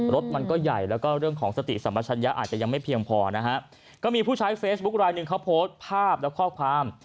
รถมันก็ใหญ่แล้วก็เรื่องของสติสัมปชัญญะอาจจะยังไม่เพียงพอนะฮะก็มีผู้ใช้เฟซบุ๊คไลนึงเขาโพสต์ภาพและข้อความ